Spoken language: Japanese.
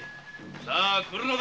さあ来るのだ